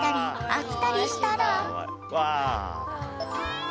あっ